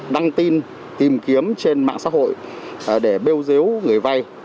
đăng tin tìm kiếm trên mạng xã hội để bêu dếu người vai